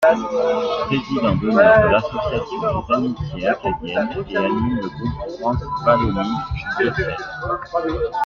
Président d'honneur de l'association Les Amitiés acadiennes, et anime le groupe France-Wallonie-Bruxelles.